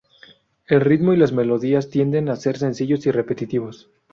El ritmo y las melodías tienden a ser sencillos y repetitivos.